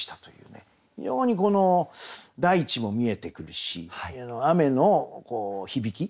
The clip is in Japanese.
非常にこの大地も見えてくるし雨の響き